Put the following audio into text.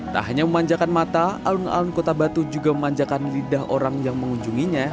tak hanya memanjakan mata alun alun kota batu juga memanjakan lidah orang yang mengunjunginya